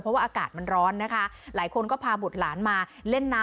เพราะว่าอากาศมันร้อนนะคะหลายคนก็พาบุตรหลานมาเล่นน้ำ